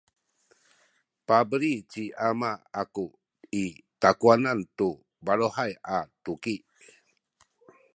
pabeli ci ama aku i takuwan tu baluhay a tuki